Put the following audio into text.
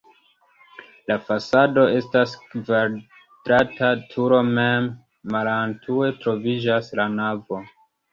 La fasado estas la kvadrata turo mem, malantaŭe troviĝas la navo.